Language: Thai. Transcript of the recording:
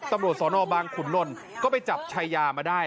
ตำรวจสลบองค์คุณรอนก็ไปจับชายามาได้